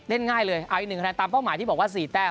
เล่นง่ายเลยอ่าอีกหนึ่งคะแนนตามเป้าหมายที่บอกว่าสี่แต้ว